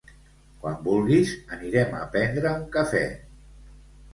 quan vulguis anirem a pendre un cafè.